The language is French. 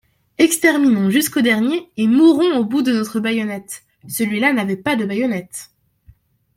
Exterminons jusqu'au dernier et mourons au bout de notre bayonnette ! Celui-là n'avait pas de bayonnette.